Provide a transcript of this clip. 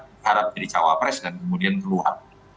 berharap jadi cawapres dan kemudian keluar